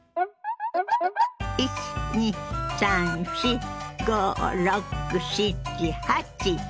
１２３４５６７８。